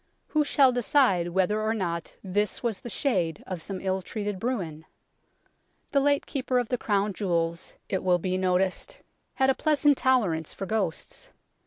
Who shall decide whether or not this was the shade of some ill treated Bruin ? The late Keeper of the Crown Jewels, it will be noticed, had a pleasant tolerance for ghosts.